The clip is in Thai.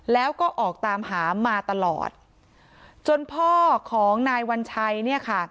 แล้วก็ออกตามหามาตลอดจนพ่อของนายวัญชัยเนี่ยค่ะ